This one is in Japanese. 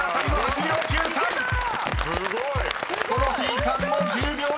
［ヒコロヒーさんも１０秒以内］